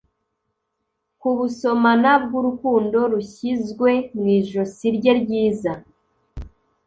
kubusomana bwurukundo rushyizwe mwijosi rye ryiza